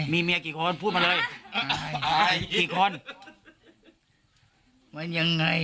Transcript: มีเมียกี่คนพูดมาเลย